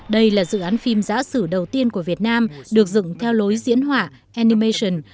đây là dự án phim giã sử đầu tiên của việt nam được dựng theo lối diễn hỏa animation